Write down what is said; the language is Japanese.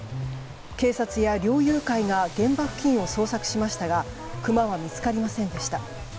警察や猟友会が現場付近を捜索しましたがクマは見つかりませんでした。